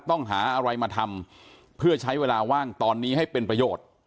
ต้องหาอะไรมาทำเพื่อใช้เวลาว่างตอนนี้ให้เป็นประโยชน์